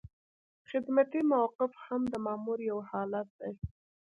خدمتي موقف هم د مامور یو حالت دی.